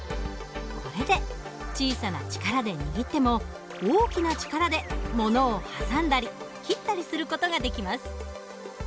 これで小さな力で握っても大きな力で物を挟んだり切ったりする事ができます。